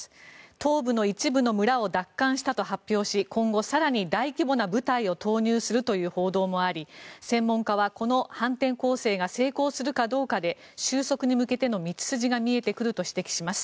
東部の一部の村を奪還したと発表し今後、更に大規模な部隊を投入するという報道もあり専門家はこの反転攻勢が成功するかどうかで終息に向けての道筋が見えてくると指摘します。